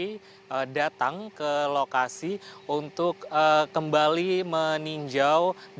dan kemudian dari warga desa sekitar pukul sepuluh tadi direktur keselamatan kereta api